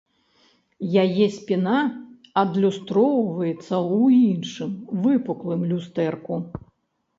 Яе спіна адлюстроўваецца ў іншым, выпуклым, люстэрку.